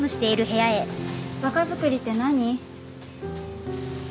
若作りって何？